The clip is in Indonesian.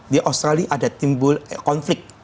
di australia ada timbul konflik